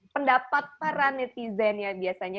pendapat para netizen ya biasanya